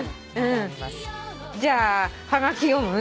じゃあはがき読む？